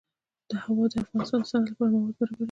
هوا د افغانستان د صنعت لپاره مواد برابروي.